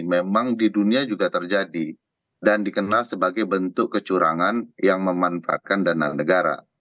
memang di dunia juga terjadi dan dikenal sebagai bentuk kecurangan yang memanfaatkan dana negara